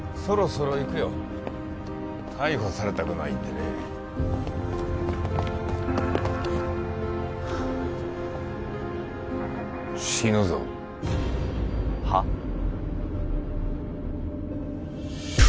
そろそろ行くよ逮捕されたくないんでね死ぬぞはっ？